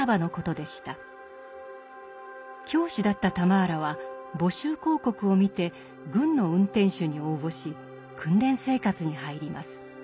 教師だったタマーラは募集広告を見て軍の運転手に応募し訓練生活に入ります。